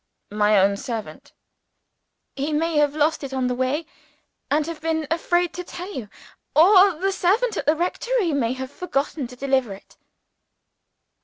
"My own servant." "He may have lost it on the way, and have been afraid to tell you. Or the servant at the rectory may have forgotten to deliver it."